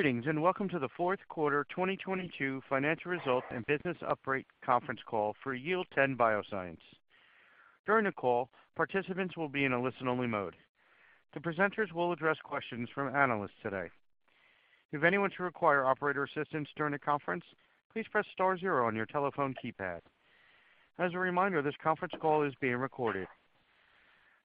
Greetings, and welcome to the Fourth Quarter 2022 Financial Results and Business Update Conference Call for Yield10 Bioscience. During the call, participants will be in a listen-only mode. The presenters will address questions from analysts today. If anyone should require operator assistance during the conference, please press star zero on your telephone keypad. As a reminder, this conference call is being recorded.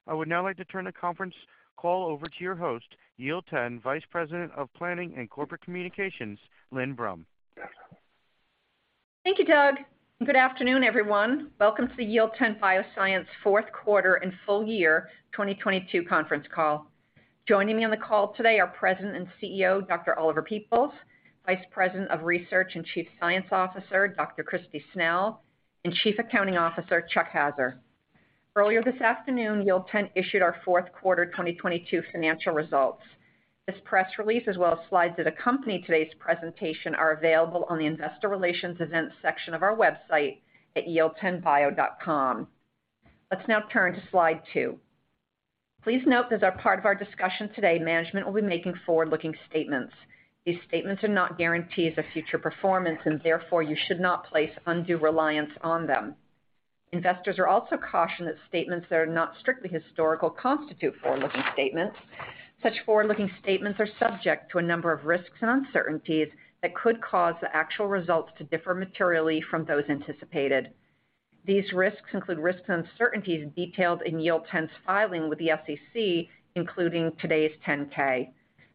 I would now like to turn the conference call over to your host, Yield10 Vice President of Planning and Corporate Communications, Lynne Brum. Thank you, Doug. Good afternoon, everyone. Welcome to the Yield10 Bioscience Fourth Quarter and Full Year 2022 Conference Call. Joining me on the call today are President and CEO, Dr. Oliver Peoples, Vice President of Research and Chief Science Officer, Dr. Kristi Snell, and Chief Accounting Officer, Chuck Haaser. Earlier this afternoon, Yield10 issued our fourth quarter 2022 financial results. This press release, as well as slides that accompany today's presentation, are available on the Investor Relations events section of our website at yield10bio.com. Let's now turn to slide two. Please note that as part of our discussion today, management will be making forward-looking statements. These statements are not guarantees of future performance, and therefore you should not place undue reliance on them. Investors are also cautioned that statements that are not strictly historical constitute forward-looking statements. Such forward-looking statements are subject to a number of risks and uncertainties that could cause the actual results to differ materially from those anticipated. These risks include risks and uncertainties detailed in Yield10's filing with the SEC, including today's 10-K.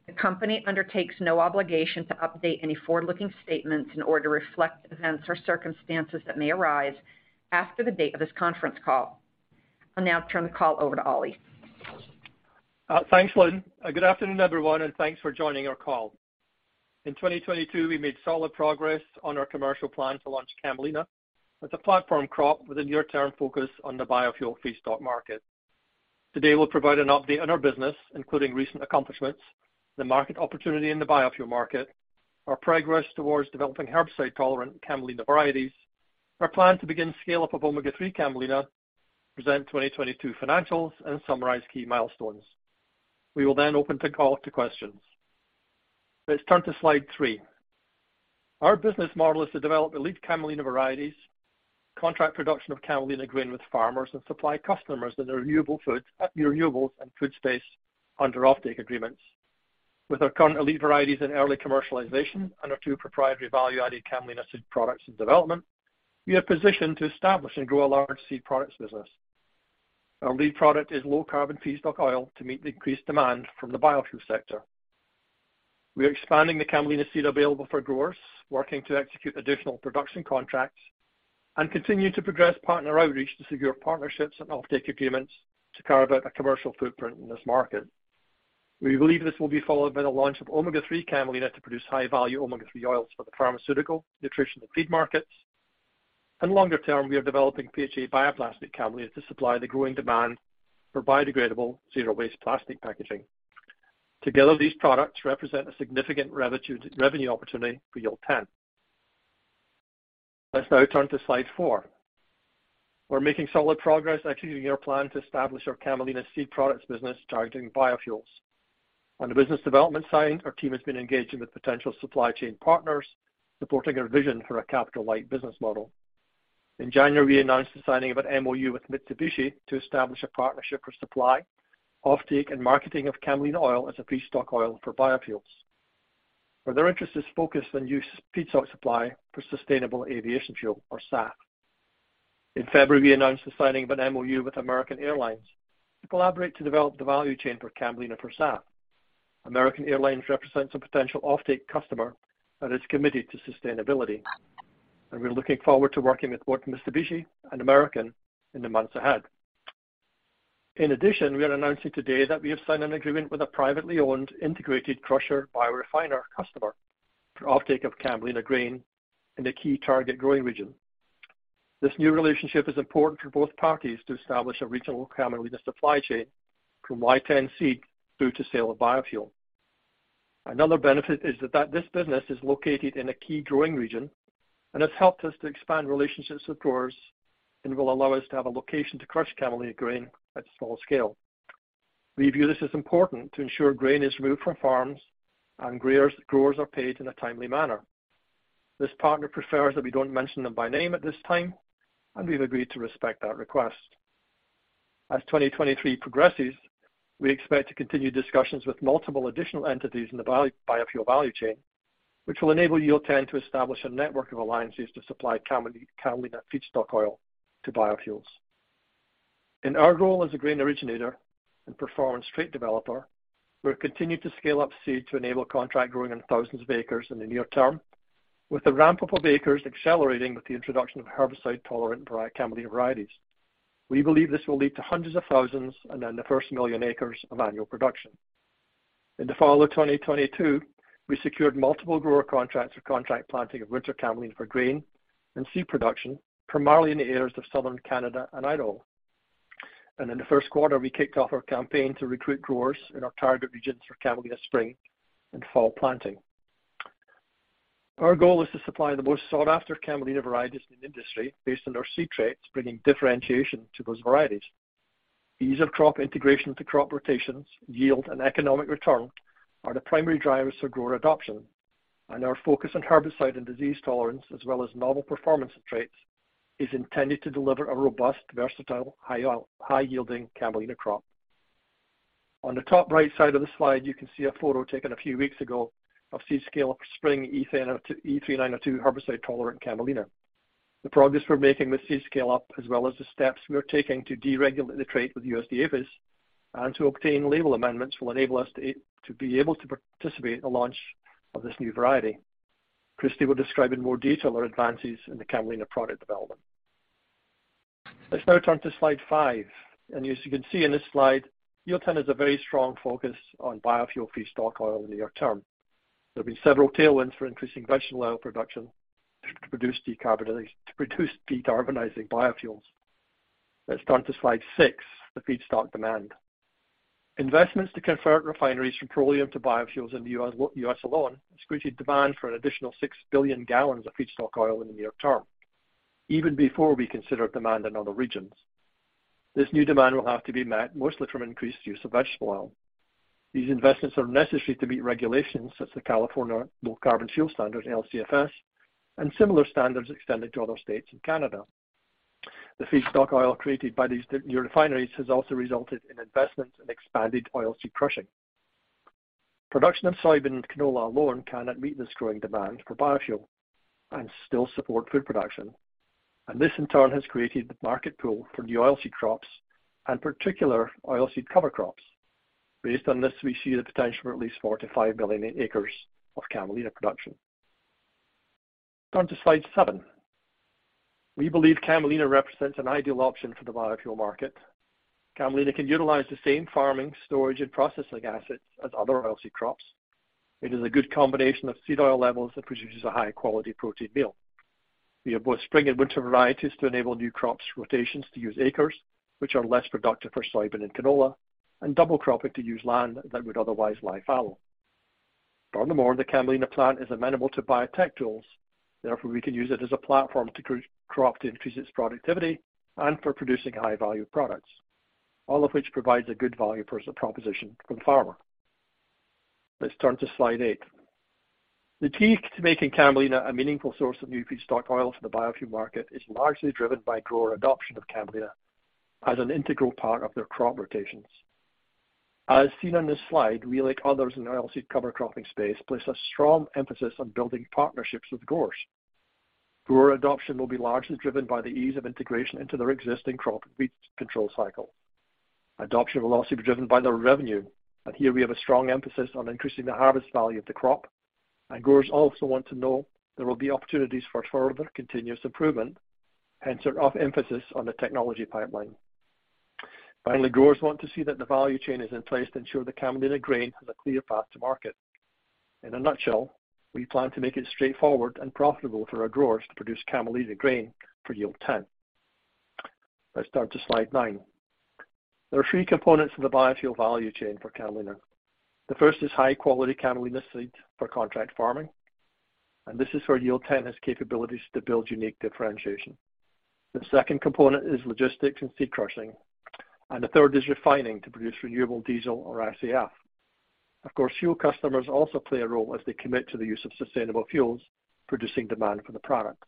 The company undertakes no obligation to update any forward-looking statements in order to reflect events or circumstances that may arise after the date of this conference call. I'll now turn the call over to Oli. Thanks, Lynn. Good afternoon, everyone, and thanks for joining our call. In 2022, we made solid progress on our commercial plan to launch Camelina as a platform crop with a near-term focus on the biofuel feedstock market. Today, we'll provide an update on our business, including recent accomplishments, the market opportunity in the biofuel market, our progress towards developing herbicide-tolerant Camelina varieties, our plan to begin scale-up of omega-3 Camelina, present 2022 financials, and summarize key milestones. We will open the call up to questions. Let's turn to slide three. Our business model is to develop elite Camelina varieties, contract production of Camelina grain with farmers, and supply customers in the renewables and food space under offtake agreements. With our current elite varieties in early commercialization and our two proprietary value-added Camelina seed products in development, we are positioned to establish and grow a large seed products business. Our lead product is low-carbon feedstock oil to meet the increased demand from the biofuel sector. We are expanding the Camelina seed available for growers, working to execute additional production contracts, and continue to progress partner outreach to secure partnerships and offtake agreements to carve out a commercial footprint in this market. We believe this will be followed by the launch of omega-3 Camelina to produce high-value omega-3 oils for the pharmaceutical, nutrition, and feed markets. Longer term, we are developing PHA bioplastic Camelina to supply the growing demand for biodegradable zero-waste plastic packaging. Together, these products represent a significant revenue opportunity for Yield10. Let's now turn to slide four. We're making solid progress executing our plan to establish our Camelina seed products business targeting biofuels. On the business development side, our team has been engaging with potential supply chain partners, supporting our vision for a capital-light business model. In January, we announced the signing of an MOU with Mitsubishi to establish a partnership for supply, offtake, and marketing of Camelina oil as a feedstock oil for biofuels, where their interest is focused on use feedstock supply for sustainable aviation fuel, or SAF. In February, we announced the signing of an MOU with American Airlines to collaborate to develop the value chain for Camelina for SAF. American Airlines represents a potential offtake customer that is committed to sustainability, and we're looking forward to working with both Mitsubishi and American in the months ahead. In addition, we are announcing today that we have signed an agreement with a privately owned integrated crusher biorefiner customer for offtake of Camelina grain in a key target growing region. This new relationship is important for both parties to establish a regional Camelina supply chain from Y10 seed through to sale of biofuel. Another benefit is that this business is located in a key growing region and has helped us to expand relationships with growers and will allow us to have a location to crush Camelina grain at small scale. We view this as important to ensure grain is removed from farms and growers are paid in a timely manner. This partner prefers that we don't mention them by name at this time, and we've agreed to respect that request. As 2023 progresses, we expect to continue discussions with multiple additional entities in the biofuel value chain, which will enable Yield10 to establish a network of alliances to supply Camelina feedstock oil to biofuels. In our role as a grain originator and performance trait developer, we've continued to scale up seed to enable contract growing on thousands of acres in the near term, with the ramp-up of acres accelerating with the introduction of herbicide-tolerant Camelina varieties. We believe this will lead to hundreds of thousands and then the first million acres of annual production. In the fall of 2022, we secured multiple grower contracts for contract planting of winter Camelina for grain and seed production, primarily in the areas of southern Canada and Idaho. In the first quarter, we kicked off our campaign to recruit growers in our target regions for Camelina spring and fall planting. Our goal is to supply the most sought-after Camelina varieties in the industry based on our seed traits, bringing differentiation to those varieties. Ease of crop integration to crop rotations, yield, and economic return are the primary drivers for grower adoption. Our focus on herbicide and disease tolerance, as well as novel performance traits, is intended to deliver a robust, versatile, high yielding Camelina crop. On the top right side of the slide, you can see a photo taken a few weeks ago of Seed Scale Up spring E3902 herbicide-tolerant Camelina. The progress we're making with Seed Scale Up, as well as the steps we are taking to deregulate the trait with USDA and to obtain label amendments, will enable us to be able to participate in the launch of this new variety. Kristi will describe in more detail our advances in the Camelina product development. Let's now turn to slide five. As you can see in this slide, Yield10 has a very strong focus on biofuel feedstock oil in the near term. There'll be several tailwinds for increasing vegetable oil production to produce decarbonizing biofuels. Let's turn to slide six, the feedstock demand. Investments to convert refineries from petroleum to biofuels in the U.S. alone, has created demand for an additional 6 billion gallons of feedstock oil in the near term, even before we consider demand in other regions. This new demand will have to be met mostly from increased use of vegetable oil. These investments are necessary to meet regulations such as the California Low Carbon Fuel Standard, LCFS, and similar standards extended to other states in Canada. The feedstock oil created by these new refineries has also resulted in investments in expanded oilseed crushing. Production of soybean and canola alone cannot meet this growing demand for biofuel and still support food production. This, in turn, has created the market pool for new oilseed crops, and particular oilseed cover crops. Based on this, we see the potential for at least 4 million-5 million acres of Camelina production. Turn to slide seven. We believe Camelina represents an ideal option for the biofuel market. Camelina can utilize the same farming, storage, and processing assets as other oilseed crops. It is a good combination of seed oil levels that produces a high-quality protein meal. We have both spring and winter varieties to enable new crops rotations to use acres, which are less productive for soybean and canola, and double cropping to use land that would otherwise lie fallow. Furthermore, the Camelina plant is amenable to biotech tools. Therefore, we can use it as a platform to crop to increase its productivity and for producing high-value products, all of which provides a good value proposition for the farmer. Let's turn to slide eight. The key to making Camelina a meaningful source of new feedstock oil for the biofuel market is largely driven by grower adoption of Camelina as an integral part of their crop rotations. As seen on this slide, we, like others in the oilseed cover cropping space, place a strong emphasis on building partnerships with growers. Grower adoption will be largely driven by the ease of integration into their existing crop weed control cycle. Adoption will also be driven by the revenue, and here we have a strong emphasis on increasing the harvest value of the crop. Growers also want to know there will be opportunities for further continuous improvement, hence our off emphasis on the technology pipeline. Finally, growers want to see that the value chain is in place to ensure the Camelina grain has a clear path to market. In a nutshell, we plan to make it straightforward and profitable for our growers to produce Camelina grain for Yield10. Let's turn to slide nine. There are three components in the biofuel value chain for Camelina. The first is high-quality Camelina seed for contract farming, and this is where Yield10 has capabilities to build unique differentiation. The second component is logistics and seed crushing. The third is refining to produce renewable diesel or SAF. Of course, fuel customers also play a role as they commit to the use of sustainable fuels, producing demand for the product.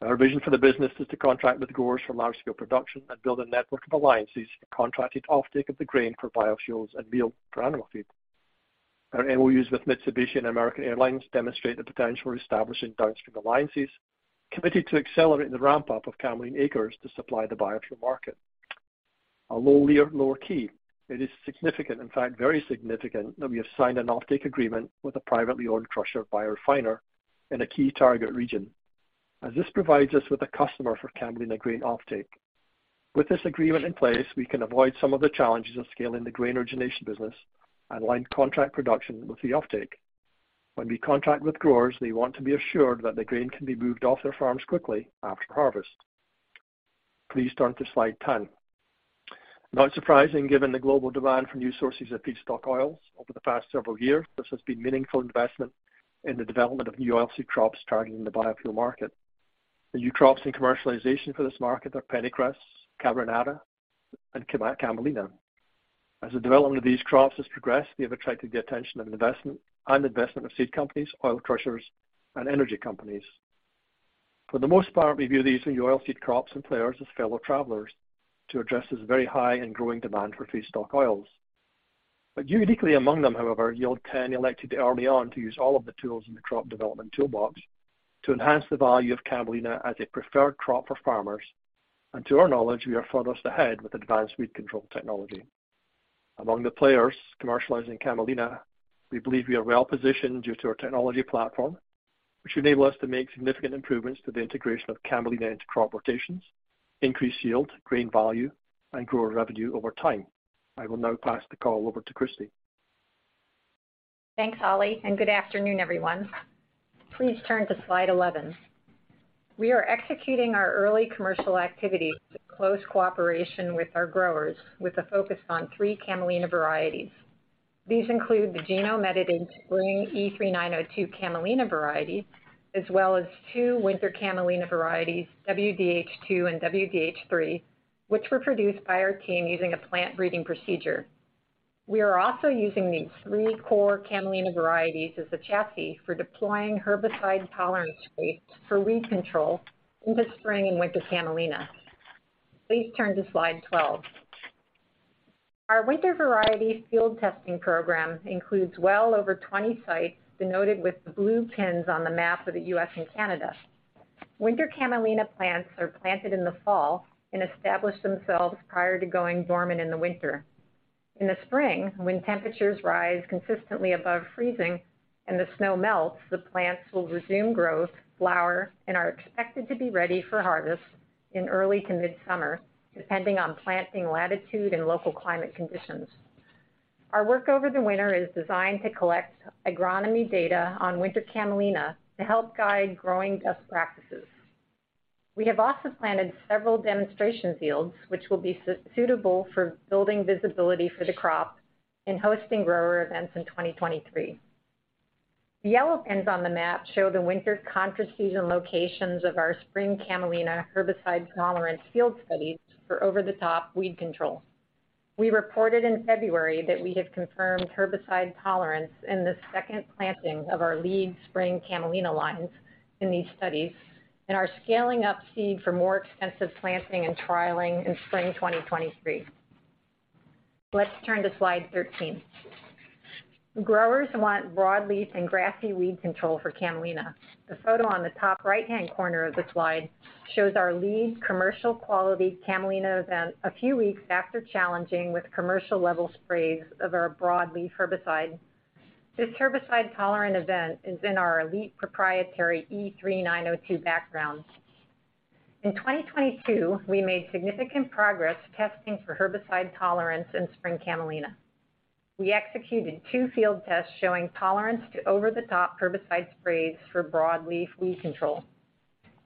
Our vision for the business is to contract with growers for large scale production and build a network of alliances and contracted offtake of the grain for biofuels and meal for animal feed. Our MOUs with Mitsubishi and American Airlines demonstrate the potential for establishing downstream alliances committed to accelerating the ramp-up of Camelina acres to supply the biofuel market. Although we are lower key, it is significant, in fact, very significant, that we have signed an offtake agreement with a privately owned crusher biorefiner in a key target region, as this provides us with a customer for Camelina grain offtake. With this agreement in place, we can avoid some of the challenges of scaling the grain origination business and align contract production with the offtake. When we contract with growers, they want to be assured that the grain can be moved off their farms quickly after harvest. Please turn to slide 10. Not surprising, given the global demand for new sources of feedstock oils over the past several years, this has been meaningful investment in the development of new oilseed crops targeting the biofuel market. The new crops and commercialization for this market are pennycress and Camelina. As the development of these crops has progressed, we have attracted the attention and investment of seed companies, oil crushers, and energy companies. For the most part, we view these new oilseed crops and players as fellow travelers to address this very high and growing demand for feedstock oils. Uniquely among them, however, Yield10 elected early on to use all of the tools in the crop development toolbox to enhance the value of Camelina as a preferred crop for farmers. To our knowledge, we are furthest ahead with advanced weed control technology. Among the players commercializing Camelina, we believe we are well-positioned due to our technology platform, which enable us to make significant improvements to the integration of Camelina into crop rotations, increase yield, grain value, and grow our revenue over time. I will now pass the call over to Kristi. Thanks, Oli. Good afternoon, everyone. Please turn to slide 11. We are executing our early commercial activities with close cooperation with our growers with a focus on three Camelina varieties. These include the genome-edited spring E3902 Camelina variety, as well as two winter Camelina varieties, WDH2 and WDH3, which were produced by our team using a plant breeding procedure. We are also using these three core Camelina varieties as a chassis for deploying herbicide tolerance traits for weed control in the spring and winter Camelina. Please turn to slide 12. Our winter variety field testing program includes well over 20 sites denoted with the blue pins on the map of the U.S. and Canada. Winter Camelina plants are planted in the fall and establish themselves prior to going dormant in the winter. In the spring, when temperatures rise consistently above freezing and the snow melts, the plants will resume growth, flower, and are expected to be ready for harvest in early to mid-summer, depending on planting latitude and local climate conditions. Our work over the winter is designed to collect agronomy data on winter Camelina to help guide growing best practices. We have also planted several demonstration fields which will be suitable for building visibility for the crop and hosting grower events in 2023. The yellow pins on the map show the winter contract season locations of our spring Camelina herbicide-tolerant field studies for over-the-top weed control. We reported in February that we have confirmed herbicide tolerance in the second planting of our lead spring Camelina lines in these studies and are scaling up seed for more extensive planting and trialing in spring 2023. Let's turn to slide 13. Growers want broadleaf and grassy weed control for Camelina. The photo on the top right-hand corner of the slide shows our lead commercial quality Camelina event a few weeks after challenging with commercial level sprays of our broadleaf herbicide. This herbicide-tolerant event is in our elite proprietary E3902 background. In 2022, we made significant progress testing for herbicide tolerance in spring Camelina. We executed two field tests showing tolerance to over-the-top herbicide sprays for broadleaf weed control.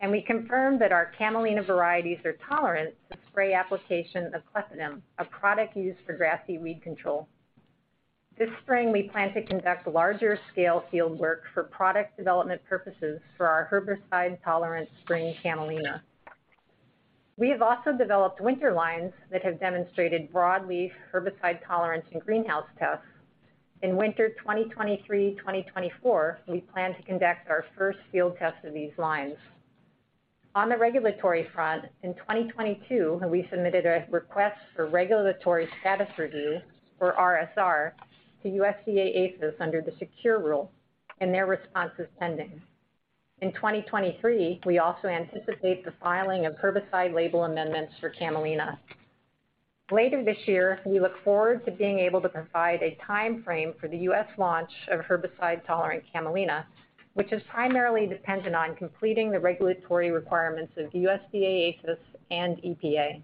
We confirmed that our Camelina varieties are tolerant to spray application of clethodim, a product used for grassy weed control. This spring, we plan to conduct larger scale field work for product development purposes for our herbicide-tolerant spring Camelina. We have also developed winter lines that have demonstrated broadleaf herbicide tolerance in greenhouse tests. In winter 2023, 2024, we plan to conduct our first field test of these lines. On the regulatory front, in 2022, we submitted a request for Regulatory Status Review for RSR to USDA APHIS under the SECURE Rule and their response is pending. In 2023, we also anticipate the filing of herbicide label amendments for Camelina. Later this year, we look forward to being able to provide a timeframe for the U.S. launch of herbicide-tolerant Camelina, which is primarily dependent on completing the regulatory requirements of USDA APHIS and EPA.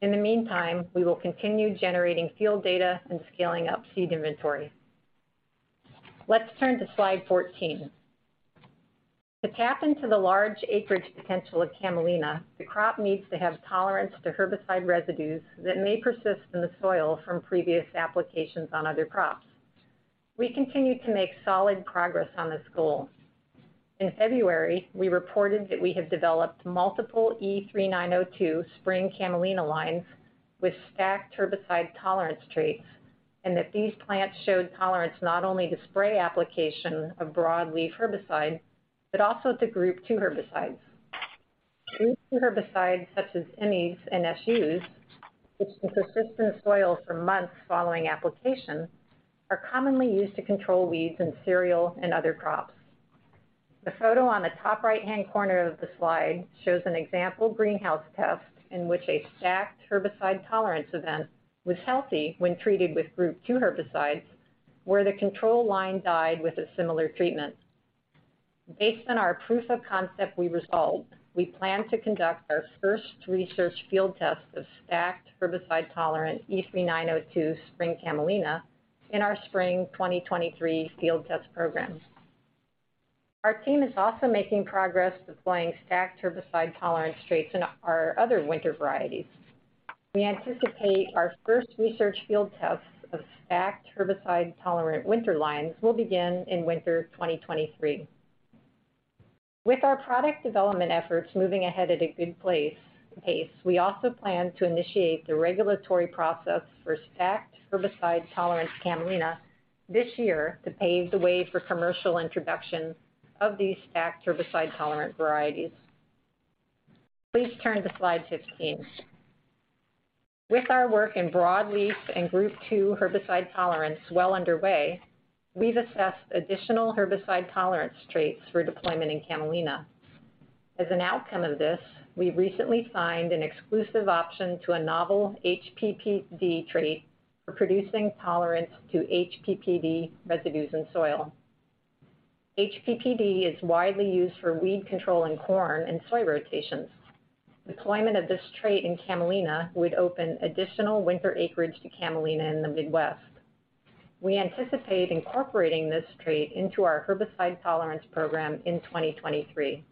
In the meantime, we will continue generating field data and scaling up seed inventory. Let's turn to slide 14. To tap into the large acreage potential of Camelina, the crop needs to have tolerance to herbicide residues that may persist in the soil from previous applications on other crops. We continue to make solid progress on this goal. In February, we reported that we have developed multiple E3902 spring Camelina lines with stacked herbicide-tolerant traits, and that these plants showed tolerance not only to spray application of broadleaf herbicides, but also to Group 2 herbicides. Group 2 herbicides such as Imidazolinones and sulfonylureas, which can persist in the soil for months following application, are commonly used to control weeds in cereal and other crops. The photo on the top right-hand corner of the slide shows an example greenhouse test in which a stacked herbicide-tolerance event was healthy when treated with Group 2 herbicides, where the control line died with a similar treatment. Based on our proof of concept we resolved, we plan to conduct our first research field test of stacked herbicide-tolerant E3902 spring Camelina in our spring 2023 field test program. Our team is also making progress deploying stacked herbicide-tolerant traits in our other winter varieties. We anticipate our first research field tests of stacked herbicide-tolerant winter lines will begin in winter 2023. With our product development efforts moving ahead at a good pace, we also plan to initiate the regulatory process for stacked herbicide-tolerant Camelina this year to pave the way for commercial introduction of these stacked herbicide-tolerant varieties. Please turn to slide 15. With our work in broadleaf and Group 2 herbicide tolerance well underway, we've assessed additional herbicide-tolerant traits for deployment in Camelina. As an outcome of this, we recently signed an exclusive option to a novel HPPD trait for producing tolerance to HPPD residues in soil. HPPD is widely used for weed control in corn and soy rotations. Deployment of this trait in Camelina would open additional winter acreage to Camelina in the Midwest. We anticipate incorporating this trait into our herbicide tolerance program in 2023.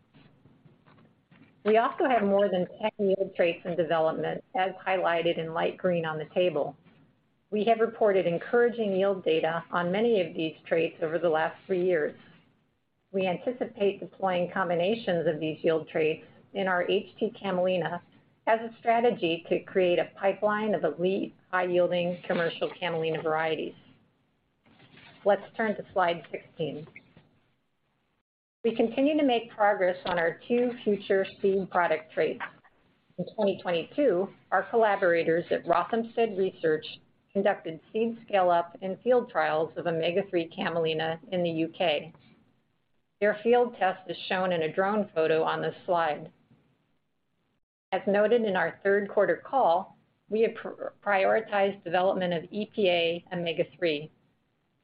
We also have more than 10 yield traits in development, as highlighted in light green on the table. We have reported encouraging yield data on many of these traits over the last three years. We anticipate deploying combinations of these yield traits in our HT Camelina as a strategy to create a pipeline of elite high-yielding commercial Camelina varieties. Let's turn to slide 16. We continue to make progress on our two future seed product traits. In 2022, our collaborators at Rothamsted Research conducted seed scale-up and field trials of omega-3 Camelina in the U.K. Their field test is shown in a drone photo on this slide. As noted in our third quarter call, we have prioritized development of EPA omega-3.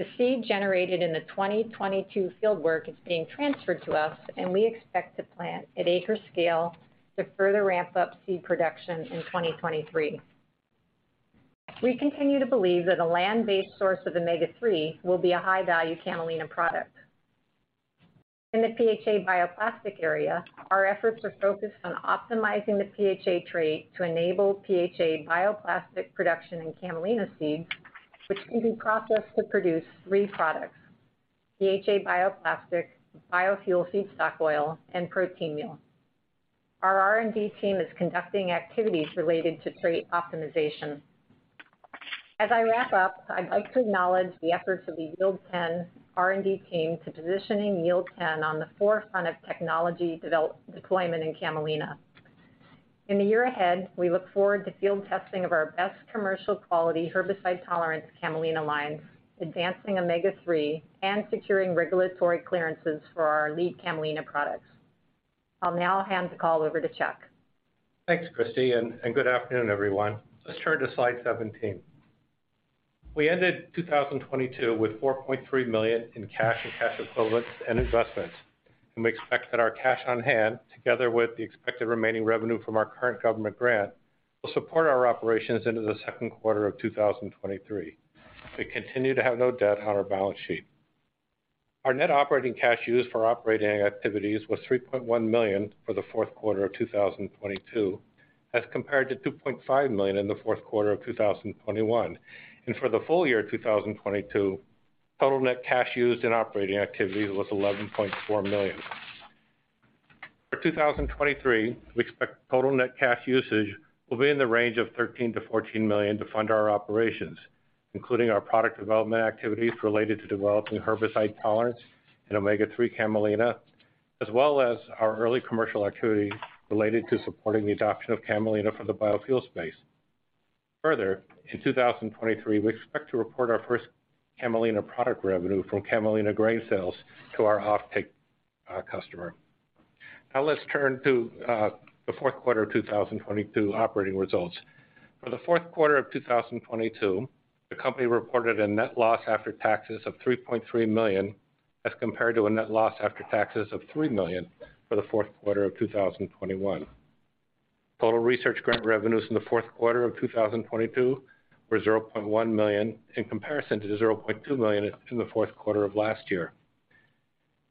The seed generated in the 2022 fieldwork is being transferred to us. We expect to plant at acre scale to further ramp up seed production in 2023. We continue to believe that a land-based source of omega-3 will be a high-value Camelina product. In the PHA bioplastic area, our efforts are focused on optimizing the PHA trait to enable PHA bioplastic production in Camelina seed, which can be processed to produce three products: PHA bioplastic, biofuel feedstock oil, and protein meal. Our R&D team is conducting activities related to trait optimization. As I wrap up, I'd like to acknowledge the efforts of the Yield10 R&D team to positioning Yield10 on the forefront of technology deployment in Camelina. In the year ahead, we look forward to field testing of our best commercial quality herbicide-tolerant Camelina lines, advancing omega-3, and securing regulatory clearances for our lead Camelina products. I'll now hand the call over to Chuck. Thanks, Kristi, and good afternoon, everyone. Let's turn to slide 17. We ended 2022 with $4.3 million in cash and cash equivalents and investments, and we expect that our cash on hand, together with the expected remaining revenue from our current government grant, will support our operations into the second quarter of 2023. We continue to have no debt on our balance sheet. Our net operating cash used for operating activities was $3.1 million for the fourth quarter of 2022, as compared to $2.5 million in the fourth quarter of 2021. For the full year 2022, total net cash used in operating activities was $11.4 million. For 2023, we expect total net cash usage will be in the range of $13 million-$14 million to fund our operations, including our product development activities related to developing herbicide tolerance in omega-3 Camelina, as well as our early commercial activities related to supporting the adoption of Camelina for the biofuel space. Further, in 2023, we expect to report our first Camelina product revenue from Camelina grain sales to our offtake customer. Now, let's turn to the fourth quarter of 2022 operating results. For the fourth quarter of 2022, the company reported a net loss after taxes of $3.3 million, as compared to a net loss after taxes of $3 million for the fourth quarter of 2021. Total research grant revenues in the fourth quarter of 2022 were $0.1 million, in comparison to $0.2 million in the fourth quarter of 2021.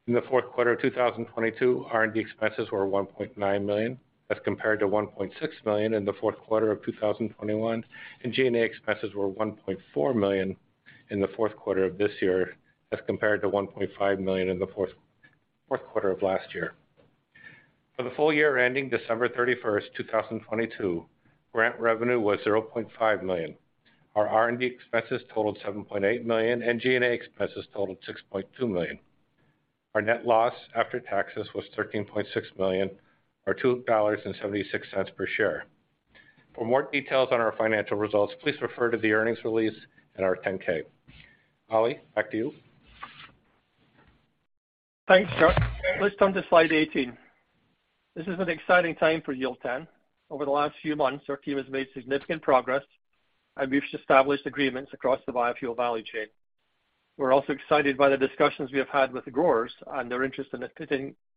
In the fourth quarter of 2022, R&D expenses were $1.9 million, as compared to $1.6 million in the fourth quarter of 2021, and G&A expenses were $1.4 million in the fourth quarter of 2022, as compared to $1.5 million in the fourth quarter of 2021. For the full year ending December 31st, 2022, grant revenue was $0.5 million. Our R&D expenses totaled $7.8 million, and G&A expenses totaled $6.2 million. Our net loss after taxes was $13.6 million or $2.76 per share. For more details on our financial results, please refer to the earnings release and our 10-K. Oli, back to you. Thanks, Chuck. Let's turn to slide 18. This is an exciting time for Yield10. Over the last few months, our team has made significant progress, and we've established agreements across the biofuel value chain. We're also excited by the discussions we have had with the growers and their increasing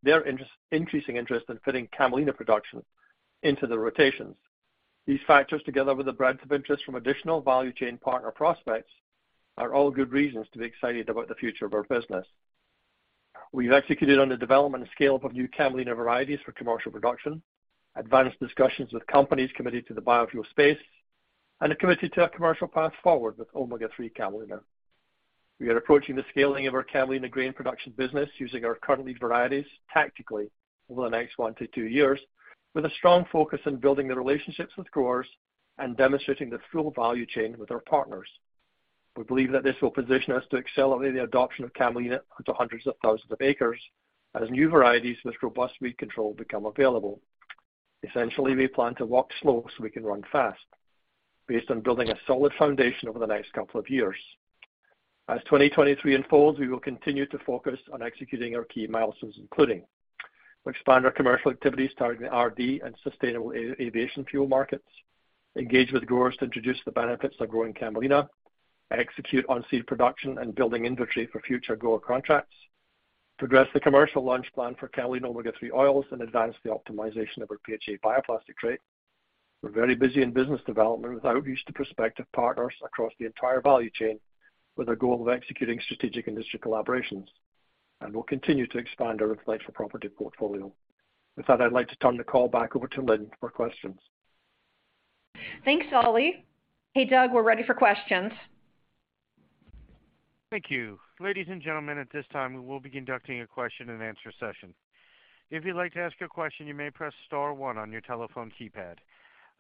interest in fitting Camelina production into the rotations. These factors, together with the breadth of interest from additional value chain partner prospects, are all good reasons to be excited about the future of our business. We've executed on the development and scale-up of new Camelina varieties for commercial production, advanced discussions with companies committed to the biofuel space, and are committed to a commercial path forward with omega-3 Camelina. We are approaching the scaling of our Camelina grain production business using our current lead varieties tactically over the next one to two years, with a strong focus on building the relationships with growers and demonstrating the full value chain with our partners. We believe that this will position us to accelerate the adoption of Camelina to hundreds of thousands of acres as new varieties with robust weed control become available. Essentially, we plan to walk slow so we can run fast based on building a solid foundation over the next couple of years. As 2023 unfolds, we will continue to focus on executing our key milestones, including expand our commercial activities targeting RD and sustainable aviation fuel markets, engage with growers to introduce the benefits of growing Camelina, execute on seed production and building inventory for future grower contracts, progress the commercial launch plan for Camelina omega-3 oils and advance the optimization of our PHA bioplastic trait. We're very busy in business development without use to prospective partners across the entire value chain with a goal of executing strategic industry collaborations, we'll continue to expand our intellectual property portfolio. With that, I'd like to turn the call back over to Lynne for questions. Thanks, Oli. Hey, Doug, we're ready for questions. Thank you. Ladies, and gentlemen, at this time, we will be conducting a question-and-answer session. If you'd like to ask a question, you may press star one on your telephone keypad.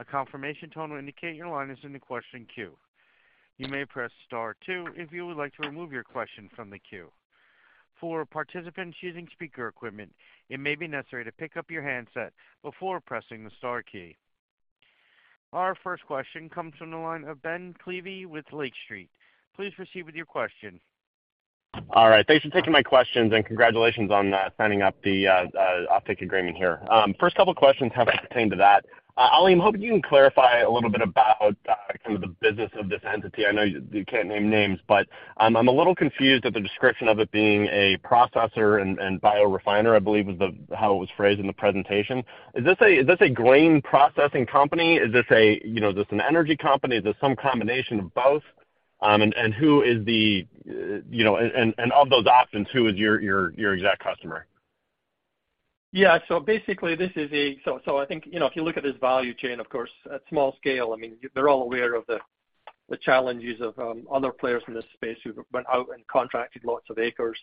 A confirmation tone will indicate your line is in the question queue. You may press star two if you would like to remove your question from the queue. For participants using speaker equipment, it may be necessary to pick up your handset before pressing the star key. Our first question comes from the line of Ben Klieve with Lake Street. Please proceed with your question. All right. Thanks for taking my questions, congratulations on signing up the offtake agreement here. First couple of questions kind of pertain to that. Oli, I'm hoping you can clarify a little bit about kind of the business of this entity. I know you can't name names, but, I'm a little confused at the description of it being a processor and biorefinery, I believe is how it was phrased in the presentation. Is this a grain processing company? Is this a, you know, is this an energy company? Is this some combination of both? Who is the, you know... Of those options, who is your exact customer? Basically, I think, you know, if you look at this value chain, of course, at small scale, I mean, they're all aware of the challenges of other players in this space who went out and contracted lots of acres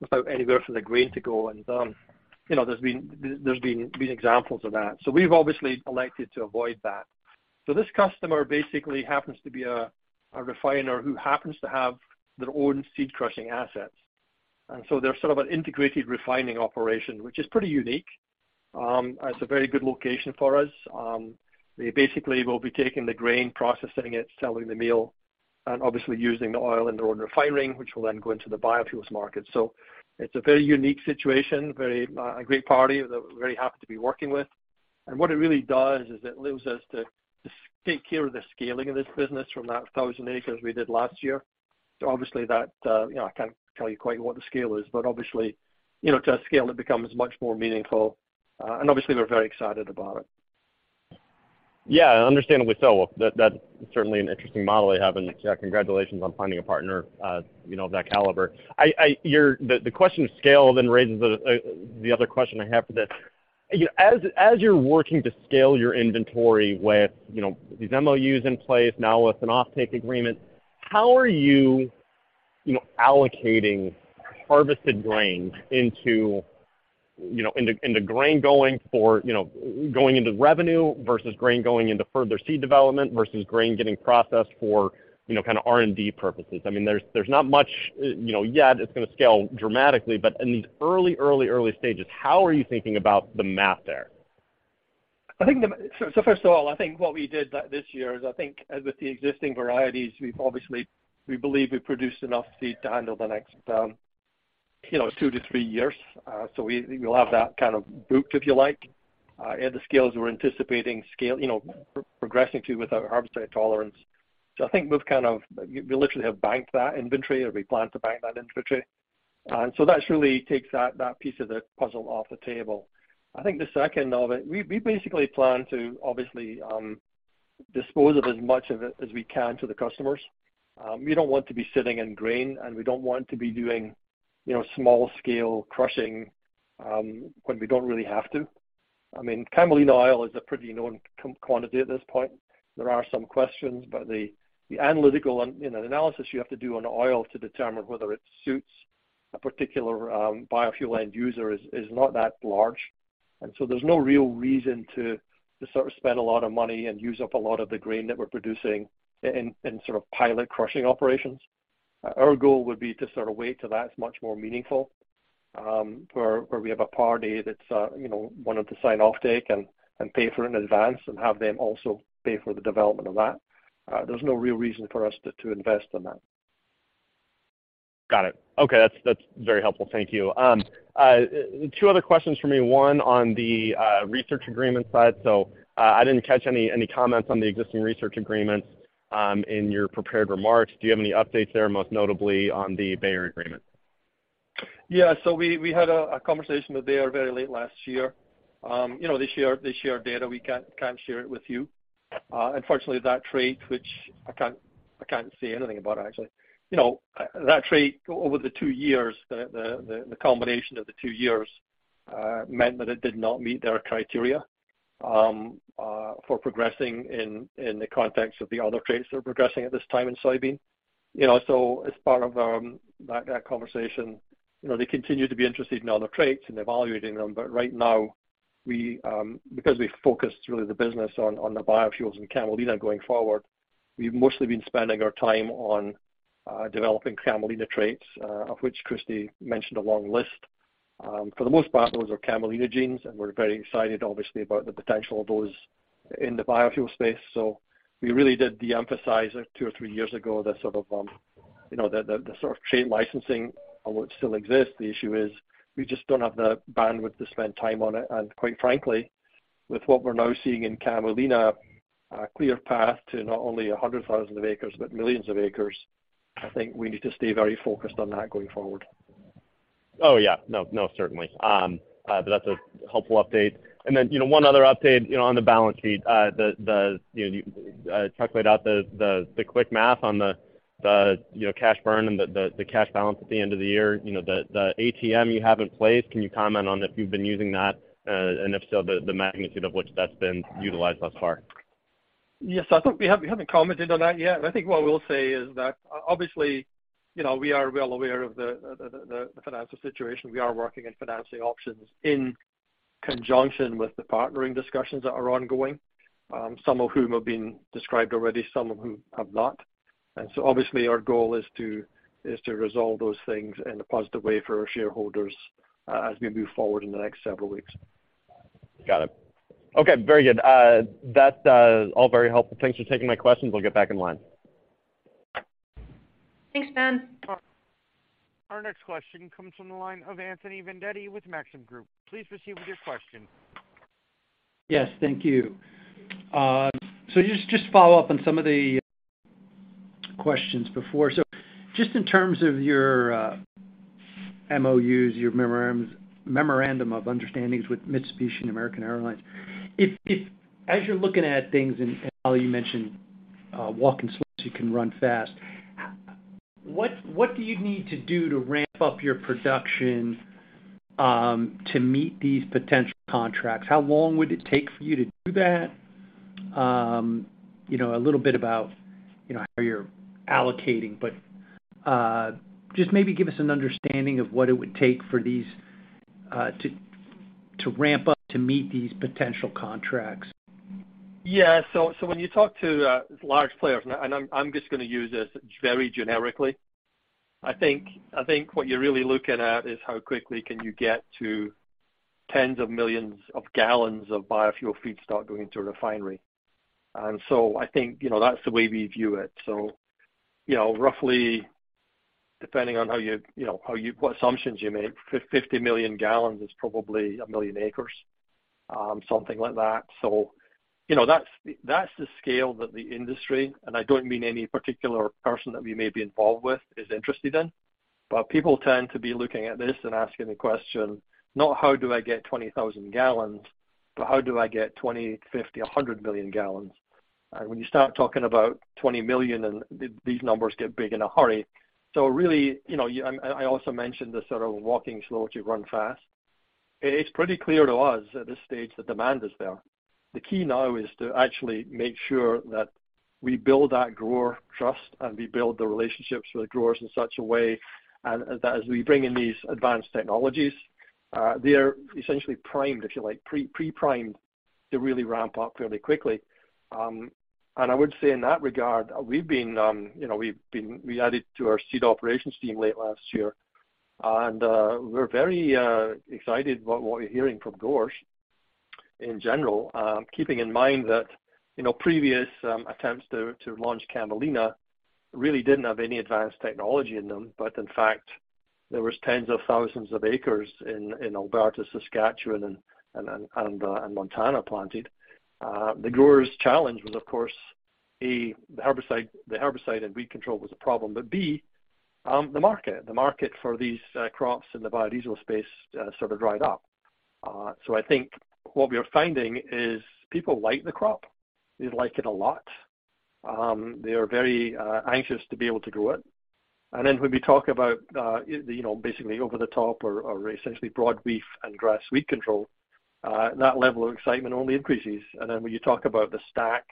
without anywhere for the grain to go. You know, there's been examples of that. We've obviously elected to avoid that. This customer basically happens to be a refiner who happens to have their own seed crushing assets. They're sort of an integrated refining operation, which is pretty unique. It's a very good location for us. They basically will be taking the grain, processing it, selling the meal, and obviously using the oil in their own refining, which will then go into the biofuels market. It's a very unique situation, very, a great party that we're very happy to be working with. What it really does is it allows us to take care of the scaling of this business from that 1,000 acres we did last year to obviously that, you know, I can't tell you quite what the scale is, but obviously, you know, to a scale that becomes much more meaningful. Obviously, we're very excited about it. Yeah, understandably so. That's certainly an interesting model they have. Yeah, congratulations on finding a partner, you know, of that caliber. The question of scale then raises the other question I have for this. As you're working to scale your inventory with, you know, these MOUs in place now with an offtake agreement, how are you know, allocating harvested grain into, you know, in the grain going for, you know, going into revenue versus grain going into further seed development versus grain getting processed for, you know, kind of R&D purposes? I mean, there's not much, you know, yet it's gonna scale dramatically. In these early stages, how are you thinking about the math there? First of all, I think what we did this year is, I think with the existing varieties, we've obviously, we believe we've produced enough seed to handle the next, you know, two to three years. We'll have that kind of booked, if you like. The scales we're anticipating scale, you know, progressing to with our herbicide tolerance. I think we've kind of, we literally have banked that inventory, or we plan to bank that inventory. That really takes that piece of the puzzle off the table. I think the second of it, we basically plan to obviously, dispose of as much of it as we can to the customers. We don't want to be sitting in grain, we don't want to be doing, you know, small-scale crushing when we don't really have to. I mean, Camelina oil is a pretty known quantity at this point. There are some questions, but the analytical and, you know, analysis you have to do on oil to determine whether it suits a particular biofuel end user is not that large. There's no real reason to sort of spend a lot of money and use up a lot of the grain that we're producing in sort of pilot crushing operations. Our goal would be to sort of wait till that's much more meaningful, where we have a party that's, you know, wanted to sign offtake and pay for it in advance and have them also pay for the development of that. There's no real reason for us to invest in that. Got it. Okay. That's very helpful. Thank you. Two other questions for me, one on the research agreement side. I didn't catch any comments on the existing research agreements in your prepared remarks. Do you have any updates there, most notably on the Bayer agreement? We had a conversation with Bayer very late last year. You know, they share data. We can't share it with you. Unfortunately, that trait, which I can't say anything about it, actually. You know, that trait over the two years, the combination of the two years, meant that it did not meet their criteria for progressing in the context of the other traits they're progressing at this time in soybean. You know, as part of that conversation, you know, they continue to be interested in other traits and evaluating them. Right now, we because we focused really the business on the biofuels and Camelina going forward, we've mostly been spending our time on developing Camelina traits, of which Kristi mentioned a long list. For the most part, those are Camelina genes, we're very excited, obviously, about the potential of those in the biofuel space. We really did de-emphasize it two or three years ago, the sort of, you know, the sort of trait licensing, although it still exists. The issue is we just don't have the bandwidth to spend time on it. Quite frankly, with what we're now seeing in Camelina, a clear path to not only 100,000 of acres, but millions of acres, I think we need to stay very focused on that going forward. Yeah. No, no, certainly. That's a helpful update. Then, you know, one other update, you know, on the balance sheet, the, you know, Chuck laid out the quick math on the, you know, cash burn and the cash balance at the end of the year. You know, the ATM you have in place, can you comment on if you've been using that? If so, the magnitude of which that's been utilized thus far? Yes. I think we haven't commented on that yet. I think what we'll say is that obviously, you know, we are well aware of the financial situation. We are working on financing options in conjunction with the partnering discussions that are ongoing, some of whom have been described already, some of whom have not. Obviously our goal is to, is to resolve those things in a positive way for our shareholders as we move forward in the next several weeks. Got it. Okay, very good. That, all very helpful. Thanks for taking my questions. I'll get back in line. Thanks, Ben. Our next question comes from the line of Anthony Vendetti with Maxim Group. Please proceed with your question. Yes. Thank you. Just follow up on some of the questions before. Just in terms of your MOUs, your memorandum of understandings with Mitsubishi and American Airlines, if, as you're looking at things, and Oli, you mentioned walking slow so you can run fast, what do you need to do to ramp up your production to meet these potential contracts? How long would it take for you to do that? You know, a little bit about, you know, how you're allocating, but just maybe give us an understanding of what it would take for these to ramp up to meet these potential contracts? Yeah. When you talk to large players, and I'm just gonna use this very generically. I think what you're really looking at is how quickly can you get to tens of millions of gallons of biofuel feedstock going into a refinery. I think, you know, that's the way we view it. You know, roughly depending on how you know, what assumptions you make, 50 million gallons is probably 1 million acres, something like that. You know, that's the scale that the industry, and I don't mean any particular person that we may be involved with, is interested in. People tend to be looking at this and asking the question, not how do I get 20,000 gallons, but how do I get 20, 50, 100 million gallons? When you start talking about $20 million and these numbers get big in a hurry. Really, you know, I also mentioned the sort of walking slow to run fast. It's pretty clear to us at this stage that demand is there. The key now is to actually make sure that we build that grower trust and we build the relationships with the growers in such a way and as we bring in these advanced technologies, they are essentially primed, if you like, pre-primed to really ramp up fairly quickly. I would say in that regard, we've been, you know, we added to our seed operations team late last year. We're very excited about what we're hearing from growers in general. Keeping in mind that, you know, previous attempts to launch Camelina really didn't have any advanced technology in them. In fact, there was tens of thousands of acres in Alberta, Saskatchewan and Montana planted. The growers' challenge was of course, A, the herbicide and weed control was a problem. B, the market. The market for these crops in the biodiesel space sort of dried up. I think what we are finding is people like the crop. They like it a lot. They are very anxious to be able to grow it. When we talk about, you know, basically over the top or essentially broadleaf and grass weed control, that level of excitement only increases. When you talk about the stack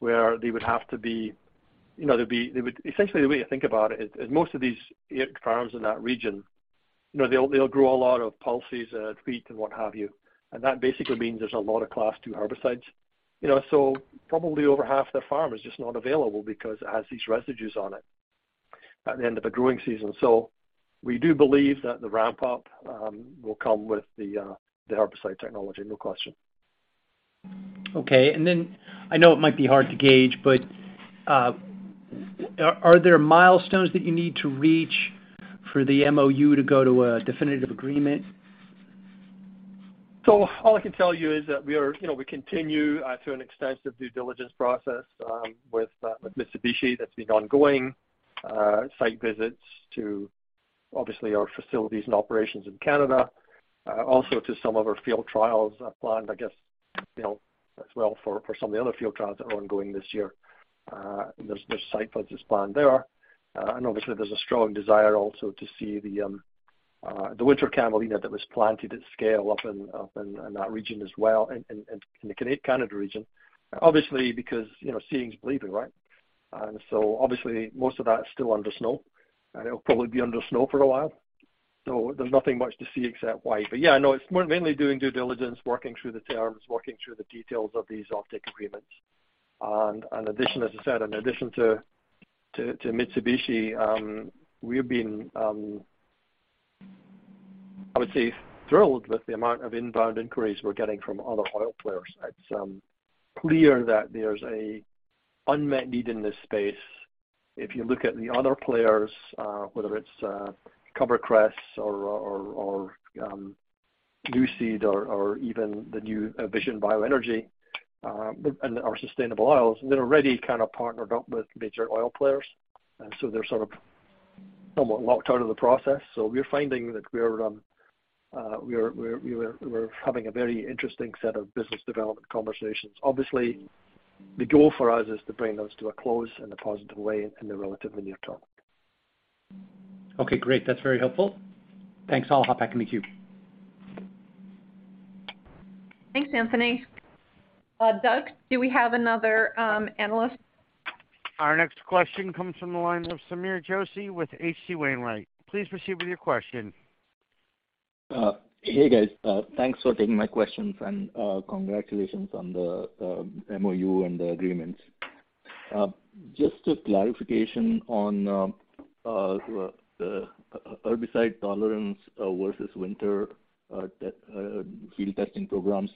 where they would have to be, you know, there'd be. Essentially the way to think about it is most of these farms in that region, you know, they'll grow a lot of pulses, wheat and what have you. That basically means there's a lot of class two herbicides, you know. Probably over half their farm is just not available because it has these residues on it at the end of a growing season. We do believe that the ramp up will come with the herbicide technology, no question. Okay. Then I know it might be hard to gauge, but, are there milestones that you need to reach for the MOU to go to a definitive agreement? All I can tell you is that we are, you know, we continue through an extensive due diligence process with Mitsubishi that's been ongoing. Site visits to obviously our facilities and operations in Canada, also to some of our field trials are planned, I guess, you know, as well for some of the other field trials that are ongoing this year. There's site visits planned there. Obviously there's a strong desire also to see the winter Camelina that was planted at scale up in that region as well, in the Canada region. Obviously, because, you know, seeing is believing, right? Obviously most of that is still under snow, and it'll probably be under snow for a while. There's nothing much to see except white. Yeah, no, it's more mainly doing due diligence, working through the terms, working through the details of these offtake agreements. In addition, as I said, in addition to Mitsubishi, we've been, I would say thrilled with the amount of inbound inquiries we're getting from other oil players. It's clear that there's a unmet need in this space. If you look at the other players, whether it's CoverCress or Nuseed or even the new Vision Bioenergy or Sustainable Oils. They're already kind of partnered up with major oil players. They're sort of somewhat locked out of the process. We're finding that we're having a very interesting set of business development conversations. Obviously, the goal for us is to bring those to a close in a positive way in the relatively near term. Okay, great. That's very helpful. Thanks. I'll hop back in the queue. Thanks, Anthony. Doug, do we have another analyst? Our next question comes from the line of Sameer Joshi with H.C. Wainwright. Please proceed with your question. Hey, guys. Thanks for taking my questions, and congratulations on the MOU and the agreements. Just a clarification on the herbicide tolerance versus winter field testing programs.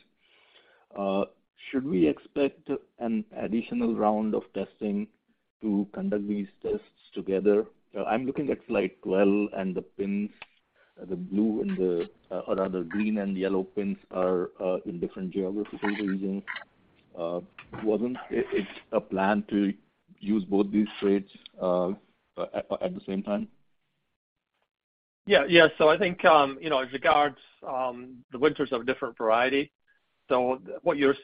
Should we expect an additional round of testing to conduct these tests together? I'm looking at slide 12 and the pins, the blue and the, or rather green and yellow pins are in different geographies for a reason. Wasn't it a plan to use both these traits at the same time? Yeah. Yeah. I think, you know, as regards, the winters of different variety. What you're...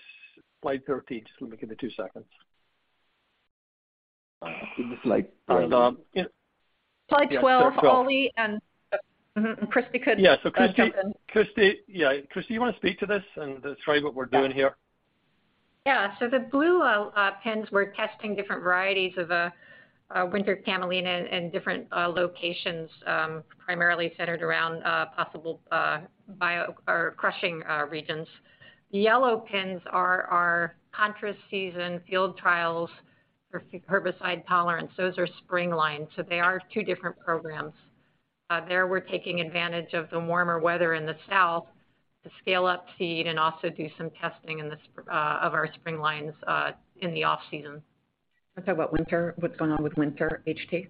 Slide 13. Just give me two seconds. This is slide 12. Yeah. Slide 12, Oli and Kristi could jump in. Yeah. Kristi, yeah. Kristi, you wanna speak to this and describe what we're doing here? Yeah. The blue pins, we're testing different varieties of winter Camelina in different locations, primarily centered around possible bio or crushing regions. The yellow pins are our contrast season field trials for herbicide tolerance. Those are spring lines, they are two different programs. There, we're taking advantage of the warmer weather in the south to scale up seed and also do some testing of our spring lines in the off-season. Let's talk about winter. What's going on with winter HT?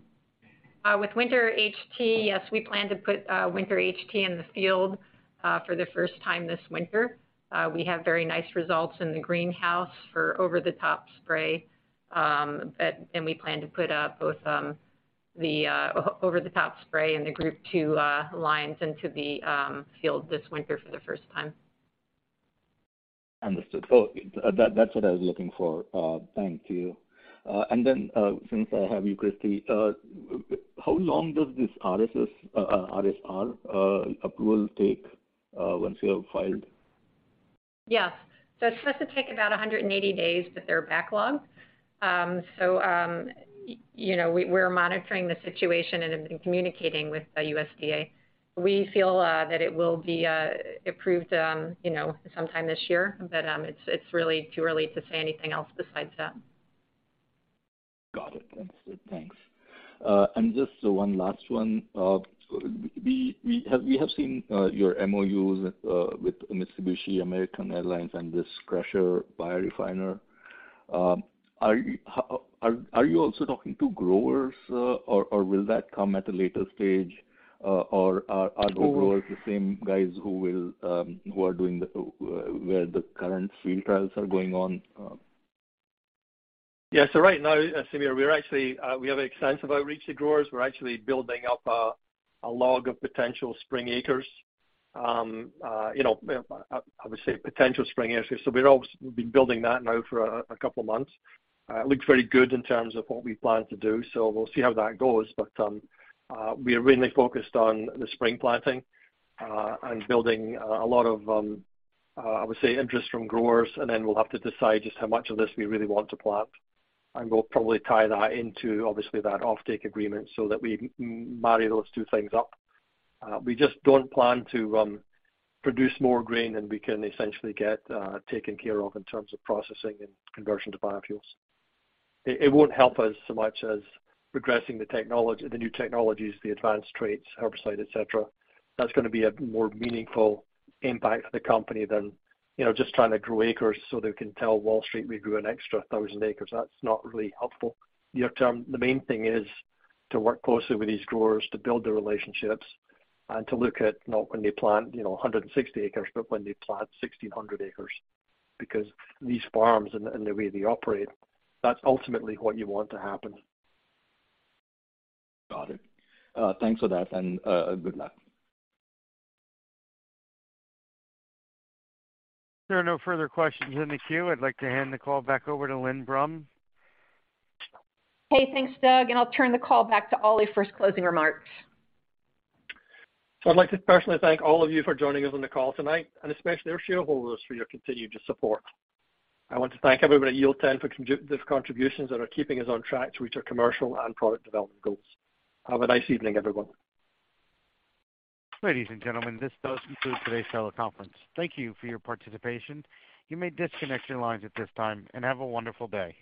With winter HT, yes, we plan to put winter HT in the field for the first time this winter. We have very nice results in the greenhouse for over-the-top spray. We plan to put up both the over-the-top spray and the Group 2 lines into the field this winter for the first time. Understood. That's what I was looking for. Thank you. Since I have you, Kristi, how long does this RSR approval take once you have filed? Yeah. It's supposed to take about 180 days. They're backlogged. You know, we're monitoring the situation and communicating with the USDA. We feel that it will be approved, you know, sometime this year. It's really too early to say anything else besides that. Got it. Understood. Thanks. Just one last one. We have seen your MOUs with Mitsubishi American Airlines and this crusher biorefiner. How are you also talking to growers, or will that come at a later stage? Are the growers the same guys who will who are doing the where the current field trials are going on? Yeah. Right now, Sameer, we're actually, we have extensive outreach to growers. We're actually building up a log of potential spring acres. You know, I would say potential spring acres. We're always been building that now for a couple of months. It looks very good in terms of what we plan to do, we'll see how that goes. We are really focused on the spring planting and building a lot of, I would say interest from growers, we'll have to decide just how much of this we really want to plant. We'll probably tie that into obviously that offtake agreement that we marry those two things up. We just don't plan to produce more grain than we can essentially get taken care of in terms of processing and conversion to biofuels. It won't help us so much as progressing the new technologies, the advanced traits, herbicide, et cetera. That's gonna be a more meaningful impact for the company than, you know, just trying to grow acres so they can tell Wall Street we grew an extra 1,000 acres. That's not really helpful near term. The main thing is to work closely with these growers to build the relationships and to look at not when they plant, you know, 160 acres, but when they plant 1,600 acres. These farms and the way they operate, that's ultimately what you want to happen. Got it. Thanks for that and good luck. There are no further questions in the queue. I'd like to hand the call back over to Lynne Brum. Hey, thanks, Doug, and I'll turn the call back to Oli for his closing remarks. I'd like to personally thank all of you for joining us on the call tonight, and especially our shareholders for your continued support. I want to thank everybody at Yield10 for the contributions that are keeping us on track to reach our commercial and product development goals. Have a nice evening, everyone. Ladies, and gentlemen, this does conclude today's teleconference. Thank you for your participation. You may disconnect your lines at this time, and have a wonderful day.